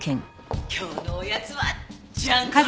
今日のおやつはジャン！